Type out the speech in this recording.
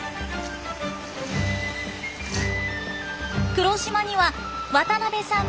黒島には渡邊さん